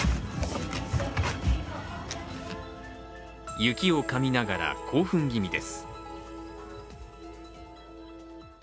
雪を噛みながら興奮気味です。